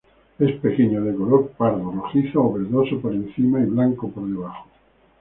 Es pequeño de color pardo, rojizo o verdoso por encima y blanco por debajo.